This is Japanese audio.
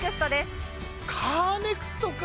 カーネクストか！